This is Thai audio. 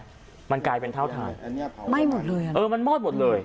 เห็นไหมมันกลายเป็นเท่าทางไหม้หมดเลยอ่ะเออมันมอดหมดเลย